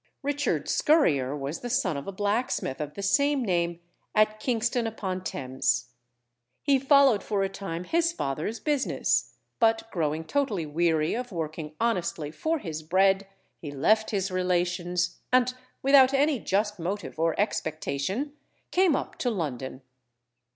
Richard Scurrier was the son of a blacksmith of the same name, at Kingston upon Thames. He followed for a time his father's business, but growing totally weary of working honestly for his bread, he left his relations, and without any just motive or expectation came up to London.